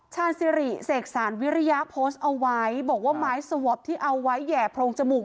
สิริเสกสารวิริยะโพสต์เอาไว้บอกว่าไม้สวอปที่เอาไว้แห่โพรงจมูก